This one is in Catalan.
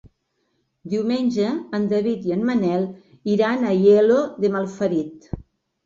Diumenge en David i en Manel iran a Aielo de Malferit.